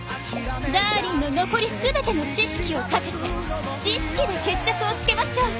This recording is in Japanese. ダーリンの残り全ての知識をかけて知識で決着をつけましょう。